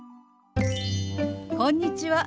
こんにちは。